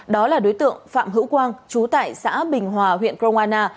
đó là đối tượng phạm hữu quang chú tại xã bình hòa huyện cromana